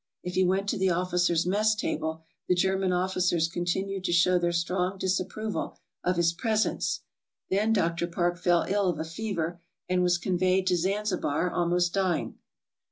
If he went to the officers' mess table, the German officers continued to show their strong disapproval of his presence. Then Dr. Parke fell ill of a fever and was con veyed to Zanzibar almost dying.